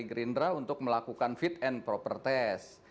gerindra untuk melakukan fit and proper test